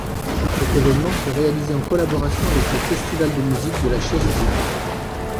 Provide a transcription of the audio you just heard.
Cet événement fut réalisé en collaboration avec le Festival de musique de la Chaise-Dieu.